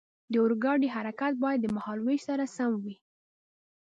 د اورګاډي حرکت باید د مهال ویش سره سم وي.